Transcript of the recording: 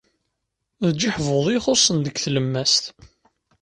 D jiḥbuḍ i ixussen deg tlemmast.